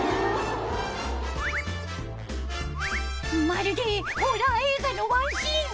まるでホラー映画のワンシーン。